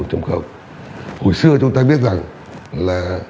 hồi xưa chúng ta biết rằng là